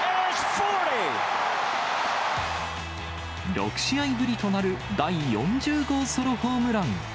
６試合ぶりとなる第４０号ソロホームラン。